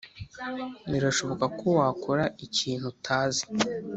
birashoboka ko wakora ikintu utazi